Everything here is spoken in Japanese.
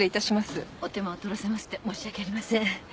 お手間を取らせまして申し訳ありません。